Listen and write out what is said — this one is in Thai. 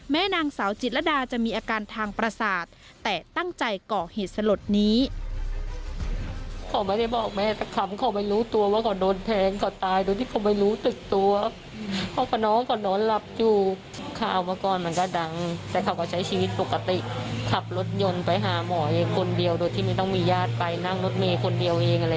นางสาวจิตรดาจะมีอาการทางประสาทแต่ตั้งใจเกาะเหตุสลดนี้